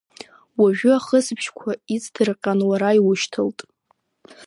Уажәы ахысбыжьқәа иҵдырҟьан уара иушьҭалт.